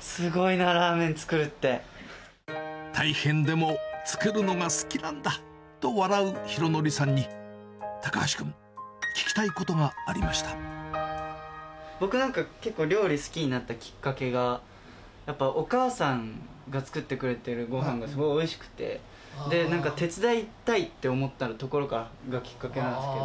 すごいな、ラーメン作大変でも、作るのが好きなんだと笑う浩敬さんに、高橋君、聞きたいことがあ僕なんか、結構、料理好きになったきっかけは、やっぱお母さんが作ってくれているごはんがすごいおいしくて、なんか手伝いたいって思ったところからがきっかけなんですけど。